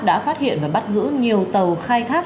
đã phát hiện và bắt giữ nhiều tàu khai thác